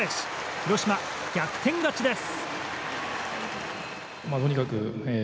広島、逆転勝ちです。